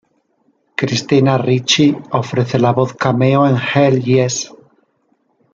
Christina Ricci ofrece la voz cameo en "Hell Yes".